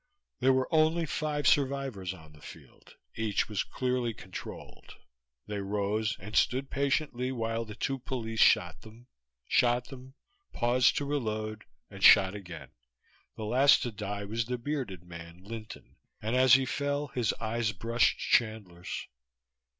There were only five survivors on the field. Each was clearly controlled. They rose and stood patiently while the two police shot them, shot them, paused to reload and shot again. The last to die was the bearded man, Linton, and as he fell his eyes brushed Chandler's.